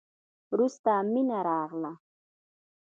وروسته مينه راغله.